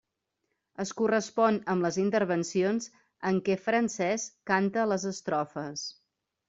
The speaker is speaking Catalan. Es correspon amb les intervencions en què Francesc canta les estrofes.